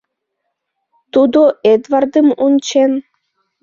Тудо Эдвардым ончен.